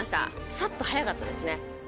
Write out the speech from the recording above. さっとはやかったですね。